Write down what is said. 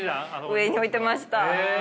上に置いてました。